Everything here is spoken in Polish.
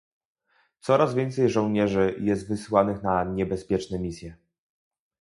coraz więcej żołnierzy jest wysyłanych na niebezpieczne misje